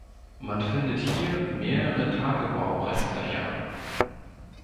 Man findet hier mehrere Tagebaurestlöcher.